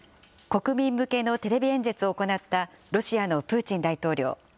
国民向けのテレビ演説を行ったロシアのプーチン大統領。